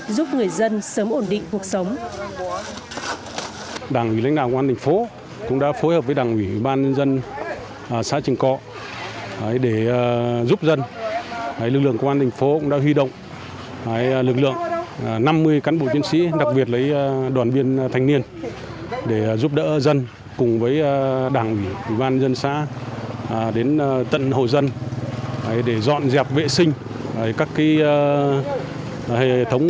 giúp người dân sớm ổn định cuộc sống